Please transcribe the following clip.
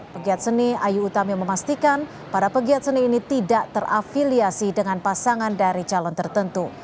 pegiat seni ayu utami memastikan para pegiat seni ini tidak terafiliasi dengan pasangan dari calon tertentu